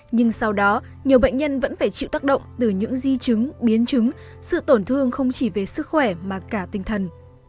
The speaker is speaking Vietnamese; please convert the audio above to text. nhưng sau đó nhiều bệnh nhân vẫn phải chịu tác động từ những di chứng biến chứng sự tổn thương không chỉ về sức khỏe mà cả tinh thần